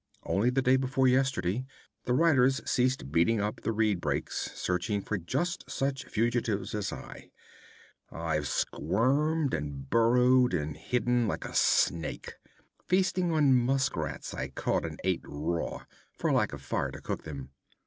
Only the day before yesterday the riders ceased beating up the reed brakes, searching for just such fugitives as I. I've squirmed and burrowed and hidden like a snake, feasting on musk rats I caught and ate raw, for lack of fire to cook them.